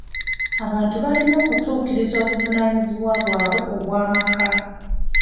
Abantu balina okutuukiriza obuvunaanyizibwa bwabwe obw'amaka.